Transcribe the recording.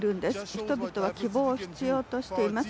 人々は希望を必要としています。